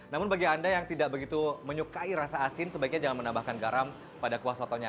namun bagi anda yang tidak begitu menyukai rasa asin sebaiknya jangan menambahkan garam pada kuah sotonya